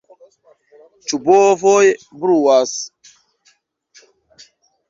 Ĉu bovoj bruas?